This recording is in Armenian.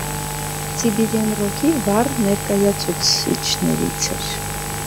Սիբիրյան ռոքի վառ ներկայացուցիչներից էր։